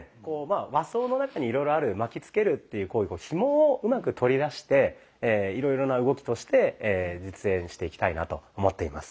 和装の中にいろいろある巻きつけるっていう行為ひもをうまく取り出していろいろな動きとして実演していきたいなと思っています。